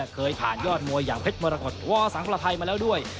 เคยผ่านยอดมวยอย่างเพชรมรกฏวอสังประไทยมาแล้วด้วย